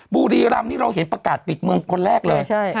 บุรีรำนี่เราเห็นประกาศปิดเมืองคนแรกเลย